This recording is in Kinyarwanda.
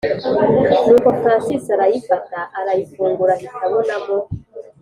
nuko francis arayifata arayifungura ahita abonamo